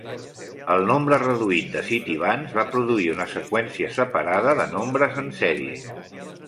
El nombre reduït de CitiVans va produir una seqüència separada de nombres en sèrie.